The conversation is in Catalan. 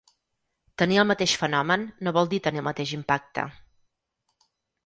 Tenir el mateix fenomen no vol dir tenir el mateix impacte.